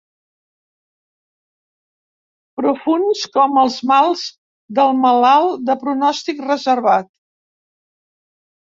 Profunds com els mals del malalt de pronòstic reservat.